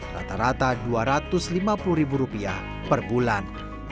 rata rata dua ratus lima puluh ribu rupiah per bulan